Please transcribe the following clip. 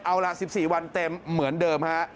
เอาล่ะ๑๔วันเต็มเหมือนเดิมฮะ